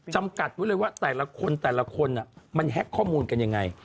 จำกัดไว้เลยว่าแต่ละคนแต่ละคนมันแฮ็กข้อมูลกันยังไง